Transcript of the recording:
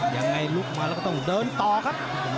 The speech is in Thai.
ยังไงลุกมาแล้วก็ต้องเดินต่อครับ